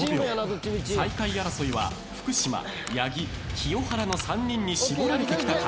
最下位争いは福島八木清原の３人に絞られてきたか？